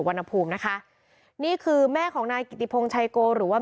กวันพูมนะคะนี่คือแม่ของนายกิติพงชายกลหรือว่า